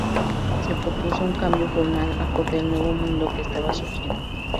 Se propuso un cambio formal acorde al nuevo mundo que estaba surgiendo.